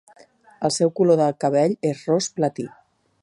El seu color de cabell és ros platí.